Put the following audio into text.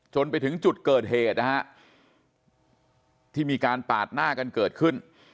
จนถึงจุดเกิดเหตุนะฮะที่มีการปาดหน้ากันเกิดขึ้น